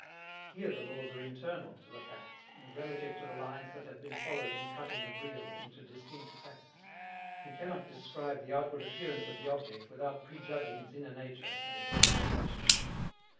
Here the laws are internal to the facts and relative to the lines that have been followed in cutting the real into distinct facts. We cannot describe the outward appearance of the object without prejudging its inner nature and its organization.